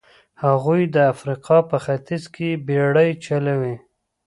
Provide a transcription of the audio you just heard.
هغوی د افریقا په ختیځ کې بېړۍ چلولې.